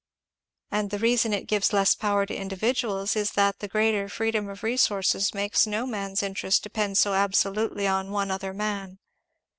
"And the reason it gives less power to individuals is that the greater freedom of resources makes no man's interest depend so absolutely on one other man.